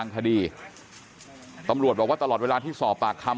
กลุ่มตัวเชียงใหม่